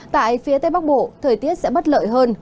tại phía tây bắc bộ thời tiết sẽ bất lợi hơn